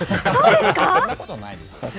そんなことないよ。